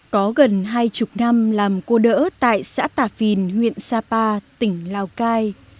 có gần hai chục năm làm cô đỡ tại xã tà phìn huyện sapa tỉnh lào cai